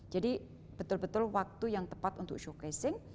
jadi betul betul waktu yang tepat untuk showcasing